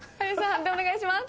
判定お願いします。